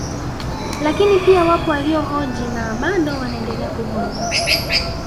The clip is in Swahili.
Lakini pia wapo waliohoji na bado wanaendelea kuhoji